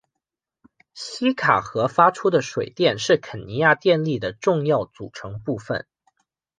锡卡河发出的水电是肯尼亚电力的重要组成部分。